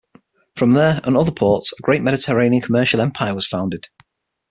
From there and other ports a great Mediterranean commercial empire was founded.